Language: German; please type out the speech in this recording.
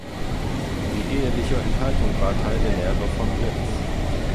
Die eheliche Enthaltung war Teil der Lehre von Wirz.